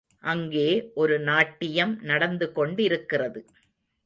அங்கே ஒரு நாட்டியம் நடந்து கொண்டிருக்கிறது.